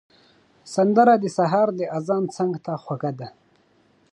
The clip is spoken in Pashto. سندره د سهار د اذان څنګ ته خوږه ده